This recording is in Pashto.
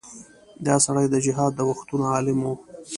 دا سړی د جهاد د وختونو عالم و.